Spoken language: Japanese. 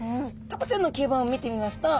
タコちゃんの吸盤を見てみますと